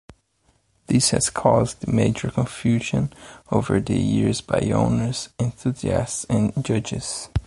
This has caused major confusion over the years by owners, enthusiasts and judges.